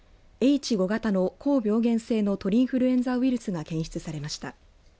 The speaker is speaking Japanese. Ｈ５型の高病原性の鳥インフルエンザウイルスが検出されました。